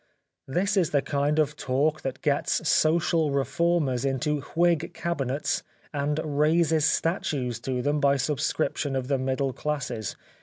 This is the kind of talk that gets Social Reformers into Whig Cabinets and raises statues to them by subscription of the middle classes.